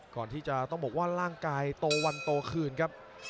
ก่อนที่จะต้องบอกว่าร่างกายโตวันโตคืนครับ